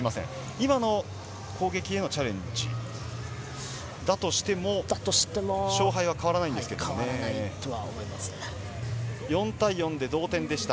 今の攻撃へのチャレンジだとしても勝敗は変わらないんですけど、４対４で同点でした。